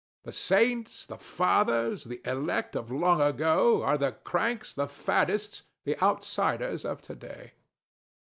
The saints, the fathers, the elect of long ago are the cranks, the faddists, the outsiders of to day.